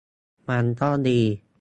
มันก็ดี